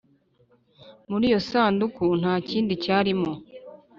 Muri iyo sanduku nta kindi cyarimo